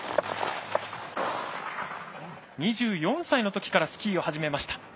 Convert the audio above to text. ２４歳のときからスキーを始めました。